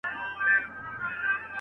سوځوي لا خلوتونه مستوي لا محفلونه.